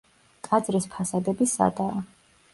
ტაძრის ფასადები სადაა.